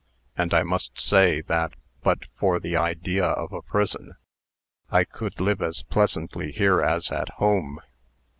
And I must say, that, but for the idea of a prison, I could live as pleasantly here as at home.